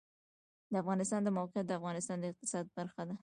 د افغانستان د موقعیت د افغانستان د اقتصاد برخه ده.